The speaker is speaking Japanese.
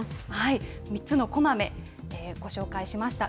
３つのこまめ、ご紹介しました。